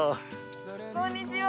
こんにちは。